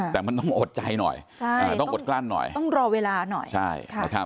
แต่มันต้องอดใจหน่อยต้องอดกล้านหน่อยต้องรอเวลาหน่อย